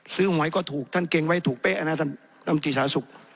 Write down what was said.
ซื้อห่วงไหว้ก็ถูกท่านเกรงไว้ถูกเป๊ะนะท่านน้ำตีสาศุกร์